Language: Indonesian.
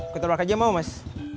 keturbaran aja mau mas